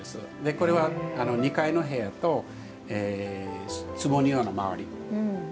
これは２階の部屋と坪庭の周り。